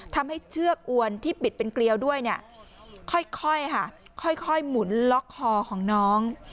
เชือกอวนที่ปิดเป็นเกลียวด้วยเนี่ยค่อยค่ะค่อยหมุนล็อกคอของน้อง